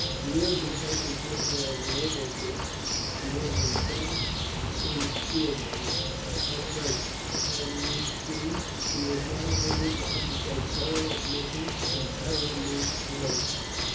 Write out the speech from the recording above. If you had been taken prisoner at Lobositz, you would have been fast in Spielberg at present; and you see he is now able to undertake perilous missions, and peril means promotion."